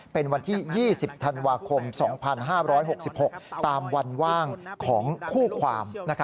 เป็นวันที่๒๐ธันวาคม๒๕๖๖ตามวันว่างของคู่ความ